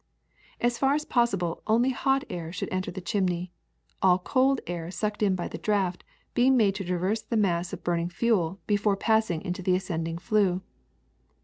As far as possible only hot air should enter the chimney, all cold air sucked in by the draft being made to traverse the mass of burning fuel before passing into the ascending flue.